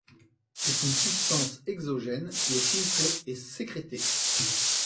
C'est une substance exogène qui est filtrée et sécrétée.